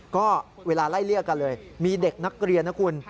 ก็เวลาไล่เลี่ยกันเลยมีเด็กนักเรียนนะคุณ